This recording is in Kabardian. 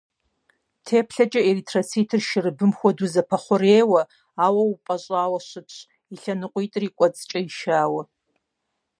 Теплъэкӏэ эритроцитыр шэрыбым хуэдэу зэпэхъурейуэ, ауэ упӏэщӏауэ щытщ, и лъэныкъуитӏыр и кӏуэцӏкӏэ ишауэ.